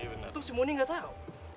untung si moni gak tau